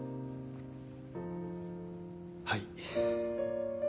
はい。